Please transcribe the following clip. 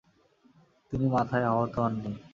তিনি মাথায় আহত হননি।